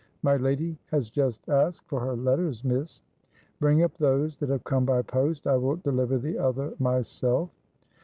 "My lady has just asked for her letters, miss." "Bring up those that have come by post. I will deliver the other myself."